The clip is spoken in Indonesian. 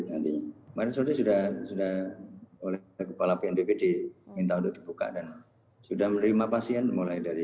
nanti sore sudah sudah oleh kepala pnbpd minta untuk dibuka dan sudah menerima pasien mulai dari